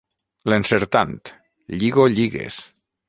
L'encertant: —Lligo lligues.